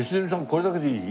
これだけでいい？